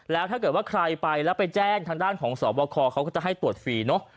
แล้วถ้าเกิดว่าใครไปแล้วไปแจ้งทางด้านของสวบคเขาก็จะให้ตรวจฟรีเนอะ